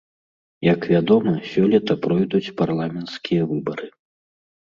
Як вядома, сёлета пройдуць парламенцкія выбары.